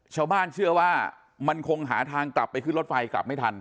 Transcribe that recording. ชาวบ้านเชื่อว่ามันคงหาทางกลับไปขึ้นรถไฟกลับไม่ทัน